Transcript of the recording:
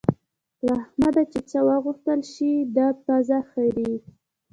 له احمده چې څه وغوښتل شي؛ دی پزه خرېي.